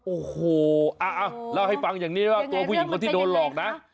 โอ้โหเล่าให้ฟังอย่างนี้ว่าตัวผู้หญิงคนที่โดนหลอกนะ